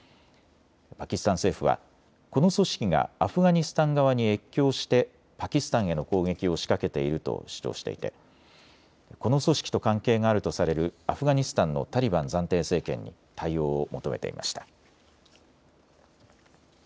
パキスタン政府はこの組織がアフガニスタン側に越境してパキスタンへの攻撃を仕掛けていると主張していてこの組織と関係があるとされるアフガニスタンのタリバン暫定政権に対応を求めていました。